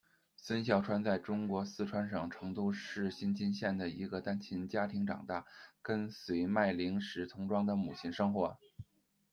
孙笑川在中国四川省成都市新津县的一个单亲家庭长大，跟随卖零食、童装的母亲生活。